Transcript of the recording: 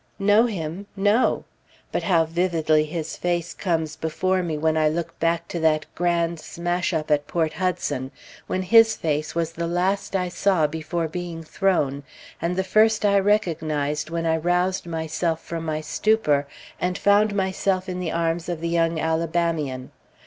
Know him, no! but how vividly his face comes before me when I look back to that grand smash up at Port Hudson, when his face was the last I saw before being thrown, and the first I recognized when I roused myself from my stupor and found myself in the arms of the young Alabamian.